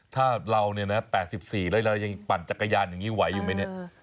ถ้าเรา๘๔ปีแล้วยังปั่นจักรยานอย่างนี้ไหวอยู่ไหม